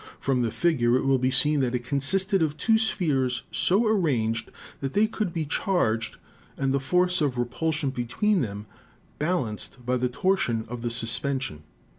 From the figure it will be seen that it consisted of two spheres so arranged that they could be charged and the force of repulsion be tween them balanced by the torsion of the suspension.